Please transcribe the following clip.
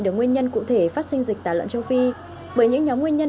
được nguyên nhân cụ thể phát sinh dịch tả lợn châu phi bởi những nhóm nguyên nhân